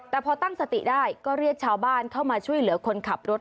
แต่พอตั้งสติได้ก็เรียกชาวบ้านเข้ามาช่วยเหลือคนขับรถ